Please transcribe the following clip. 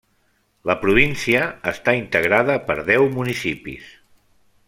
La província està integrada per deu municipis.